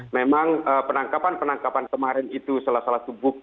memang penangkapan penangkapan kemarin itu salah satu buku